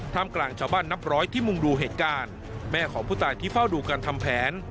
กลางชาวบ้านนับร้อยที่มุ่งดูเหตุการณ์แม่ของผู้ตายที่เฝ้าดูการทำแผน